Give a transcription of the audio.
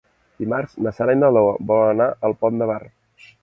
Dimarts na Sara i na Lola volen anar al Pont de Bar.